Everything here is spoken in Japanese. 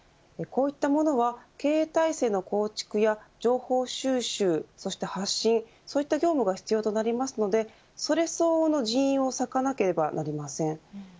こういったものは経営体制の構築や情報収集、そして発信そういった業務が必要となりますのでそれ相応の人員を割かなければなりません。